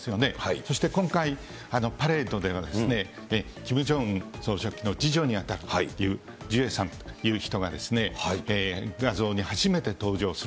そして今回、パレードではキム・ジョンウン総書記の次女にあたるというジュエさんという人がですね、画像に初めて登場する。